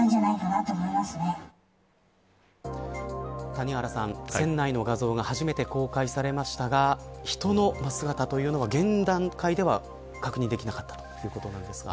谷原さん、船内の画像が初めて公開されましたが人の姿というのは現段階では確認できなかったということですが。